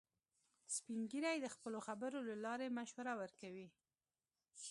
سپین ږیری د خپلو خبرو له لارې مشوره ورکوي